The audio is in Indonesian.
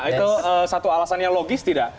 itu satu alasan yang logis tidak